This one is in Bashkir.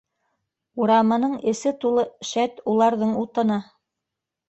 Урамының эсе тулы, шәт, уларҙың утыны.